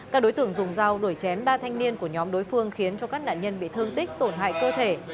các đối tượng dùng dao đuổi chém ba thanh niên của nhóm đối phương khiến cho các nạn nhân bị thương tích tổn hại cơ thể